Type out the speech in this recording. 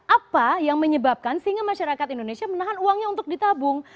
apa yang menyebabkan sehingga masyarakat indonesia menahan uangnya untuk ditabung